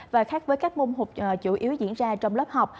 và khác với các môn học chủ yếu diễn ra trong lớp học